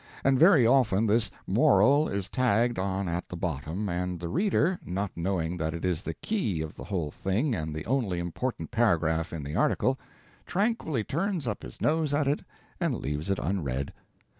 And very often this "moral" is tagged on at the bottom, and the reader, not knowing that it is the key of the whole thing and the only important paragraph in the article, tranquilly turns up his nose at it and leaves it unread.